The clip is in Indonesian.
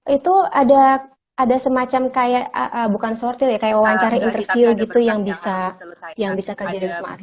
itu ada semacam kayak bukan sortil ya kayak wawancara interview gitu yang bisa kerja di wisma atlet